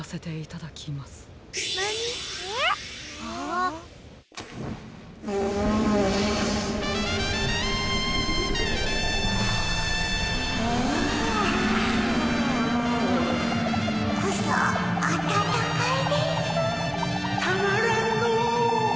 たまらんのう。